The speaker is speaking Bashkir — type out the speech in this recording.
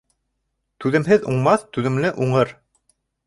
Түҙемһеҙ уңмаҫ, түҙемле уңыр.